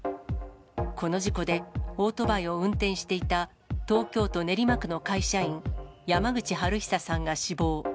この事故で、オートバイを運転していた東京都練馬区の会社員、山口晴久さんが死亡。